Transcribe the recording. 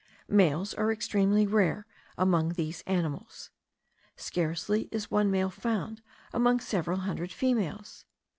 Males are extremely rare among these animals. Scarcely is one male found among several hundred females.